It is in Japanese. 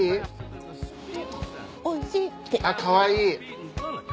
あっかわいい。